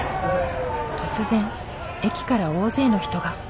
突然駅から大勢の人が。